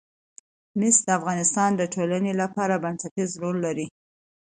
مس د افغانستان د ټولنې لپاره بنسټيز رول لري.